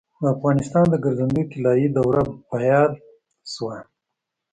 د افغانستان د ګرځندوی طلایي دوره په یاد شوه.